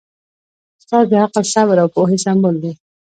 استاد د عقل، صبر او پوهې سمبول دی.